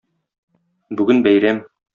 Бүген бәйрәм.